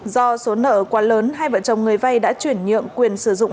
do số nợ quá lớn hai vợ chồng người vay đã chuyển nhượng quyền sử dụng